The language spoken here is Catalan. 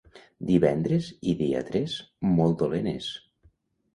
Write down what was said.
Divendres i dia tres, molt dolent és.